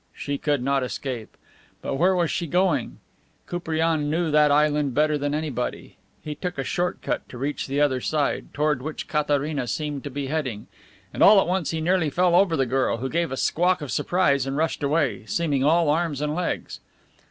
She could not escape! But where was she going? Koupriane knew that island better than anybody. He took a short cut to reach the other side, toward which Katharina seemed to be heading, and all at once he nearly fell over the girl, who gave a squawk of surprise and rushed away, seeming all arms and legs.